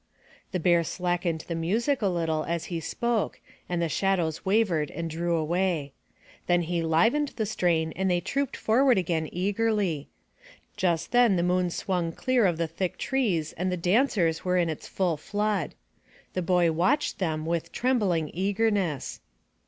The Bear slackened the music a little as he spoke and the shadows wavered and drew away. Then he livened the strain and they trooped forward again eagerly. Just then the moon swung clear of the thick trees and the dancers were in its full flood. The boy watched them with trembling eagerness.